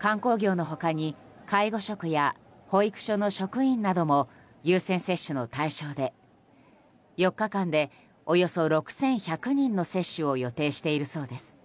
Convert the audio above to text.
観光業の他に介護職や保育所の職員なども優先接種の対象で４日間で、およそ６１００人の接種を予定しているそうです。